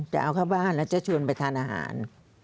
จะเอาเข้าบ้านแล้วจะชวนไปทานอาหาร